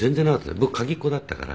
僕鍵っ子だったから。